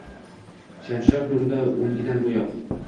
Shamchiroq nurida oʼngigan boʼyoq